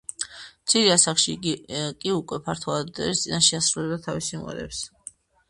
მცირე ასაკში კი უკვე ფართო აუდიტორიის წინაშე ასრულებდა თავის სიმღერებს.